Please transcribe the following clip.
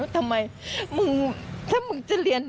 ทำไมมึงถ้ามึงจะเรียน